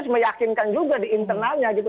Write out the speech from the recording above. meyakinkan juga di internalnya